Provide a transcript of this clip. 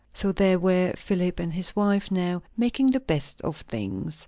So there were Philip and his wife now, making the best of things.